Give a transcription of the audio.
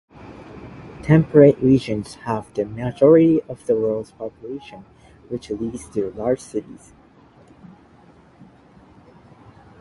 Temperate regions have the majority of the world's population, which leads to large cities.